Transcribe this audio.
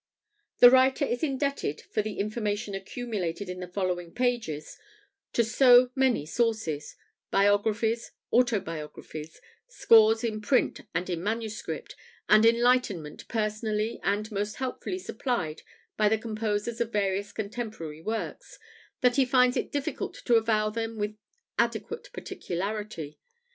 The writer is indebted for the information accumulated in the following pages to so many sources biographies, autobiographies, scores in print and in manuscript, and enlightenment personally and most helpfully supplied by the composers of various contemporary works that he finds it difficult to avow them with adequate particularity.